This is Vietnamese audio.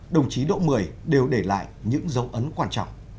đồng chí đỗ mười đều để lại những dấu ấn quan trọng